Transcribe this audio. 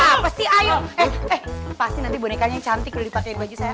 apa sih ayo eh eh pasti nanti bonekanya yang cantik udah dipakein baju saya